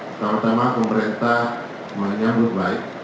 pertama tama pemerintah menyambut baik